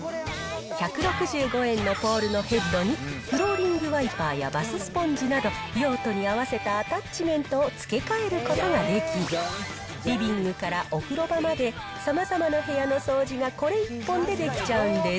１６５円のポールのヘッドに、フローリングワイパーやバススポンジなど、用途に合わせたアタッチメントを付け替えることができ、リビングからお風呂場まで、さまざまな部屋の掃除がこれ一本でできちゃうんです。